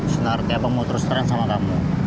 senarty abang mau terus terang sama kamu